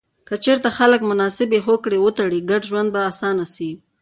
که چیرته خلک مناسبې هوکړې وتړي، ګډ ژوند به اسانه سي.